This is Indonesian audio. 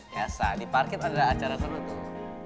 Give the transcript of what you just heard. ya saat di parkir ada acara sama tuh